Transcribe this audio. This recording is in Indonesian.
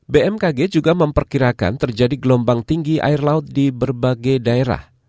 bmkg juga memperkirakan terjadi gelombang tinggi air laut di berbagai daerah